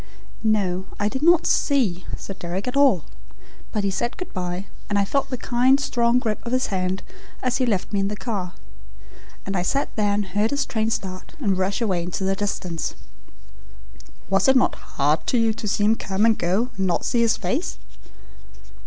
"No. I did not SEE Sir Deryck at all. But he said good bye, and I felt the kind, strong grip of his hand as he left me in the car. And I sat there and heard his train start and rush away into the distance." "Was it not hard to you to let him come and go and not to see his face?"